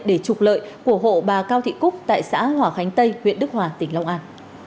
để trục lợi của hộ bà cao thị cúc tại xã hòa khánh tây huyện đức hòa tỉnh long an